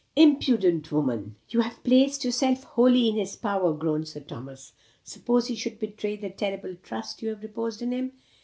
"Imprudent woman! You have placed yourself wholly in his power," groaned Sir Thomas. "Suppose he should betray the terrible trust you have reposed in him?"